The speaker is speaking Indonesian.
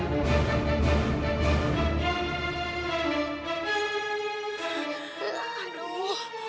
kenapa berhenti lagi